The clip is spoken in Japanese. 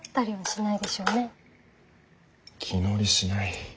気乗りしない。